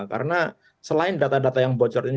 karena selain data data yang bocor ini